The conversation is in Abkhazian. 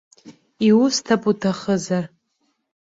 Иусҭап уҭахызар.